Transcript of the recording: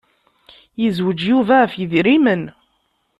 Yezweǧ Yuba ɣef yedrimen.